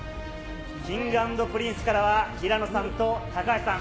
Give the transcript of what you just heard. Ｋｉｎｇ＆Ｐｒｉｎｃｅからは平野さんと高橋さん。